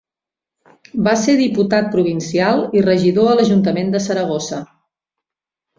Va ser diputat provincial i regidor a l'Ajuntament de Saragossa.